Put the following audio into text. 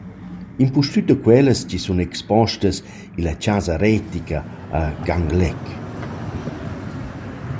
Impustüt da quellas chi sun expostas illa «Chasa Retica a Ganglegg».